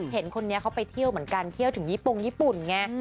เห็นคนนี้เขาไปเที่ยวเหมือนกันเที่ยวถึงยี่ปงญี่ปุ่นไง